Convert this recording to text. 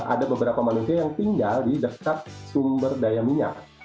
ada beberapa manusia yang tinggal di dekat sumber daya minyak